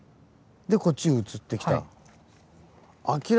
でこっちへ移ってきた。